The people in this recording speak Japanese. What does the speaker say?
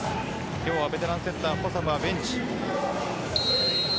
今日ベテランセッターのホサムはベンチです。